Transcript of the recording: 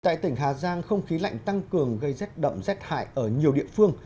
tại tỉnh hà giang không khí lạnh tăng cường gây rét đậm rét hại ở nhiều địa phương